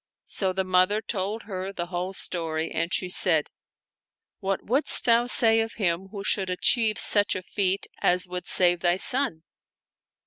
So the mother told her the whole story, and she said, "What wouldst thou say of him who should achieve such a feat as would save thy son?